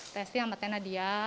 saya testi sama tena dia